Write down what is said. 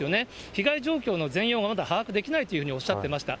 被害状況の全容がまだ把握できないというふうにおっしゃってました。